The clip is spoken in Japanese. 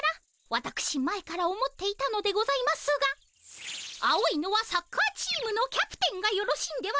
わたくし前から思っていたのでございますが青いのはサッカーチームのキャプテンがよろしいんではないでしょうか？